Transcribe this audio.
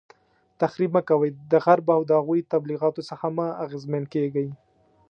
تخریب مه کوئ، د غرب او د هغوی د تبلیغاتو څخه مه اغیزمن کیږئ